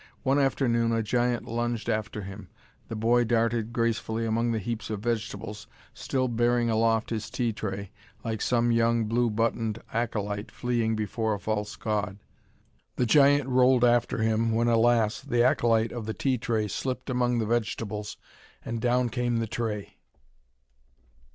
One afternoon a giant lunged after him: the boy darted gracefully among the heaps of vegetables, still bearing aloft his tea tray, like some young blue buttoned acolyte fleeing before a false god. The giant rolled after him when alas, the acolyte of the tea tray slipped among the vegetables, and down came the tray.